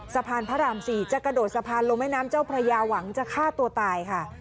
สะพานพระราม๔จะกระโดดสะพานลงแม่น้ำเจ้าพระยาหวังจะฆ่าตัวตายค่ะ